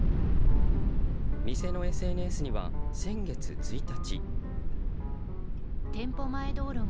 店のＳＮＳには先月１日。